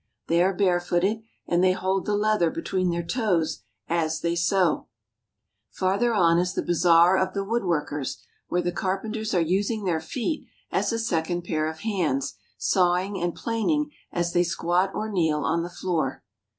They are barefooted, and they hold the leather between their toes as they sew. Farther on is the bazaar of the woodworkers, where the carpenters are using their feet as a second pair of hands, sawing and planing as they squat or kneel on the floor.